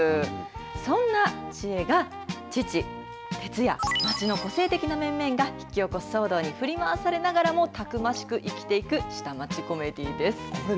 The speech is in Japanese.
そんなチエが父、テツや個性的な面々が引き起こす騒動に振り回されながらもたくましく生きていく下町コメディーです。